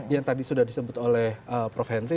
yang tadi sudah disebut oleh prof henry